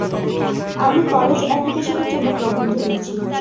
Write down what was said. আমি কলেজ অ্যাপ্লিকেশনের জন্য প্রবন্ধ লিখছি।